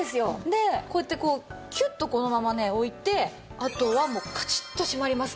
でこうやってキュッとこのままね置いてあとはもうカチッと閉まりますので。